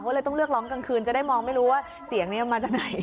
ก็เลยต้องเลือกร้องกลางคืนจะได้มองไม่รู้ว่าเสียงนี้มาจากไหน